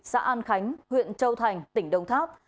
xã an khánh huyện châu thành tỉnh đông tháp